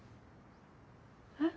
えっ？